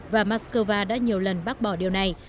và moscow đã nhiều lần bác bỏ điều này